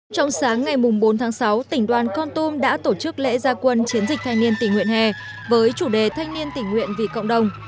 trong sáng ngày bốn tháng sáu tỉnh đoàn con tum đã tổ chức lễ gia quân chiến dịch thanh niên tỉnh nguyện hè với chủ đề thanh niên tỉnh nguyện vì cộng đồng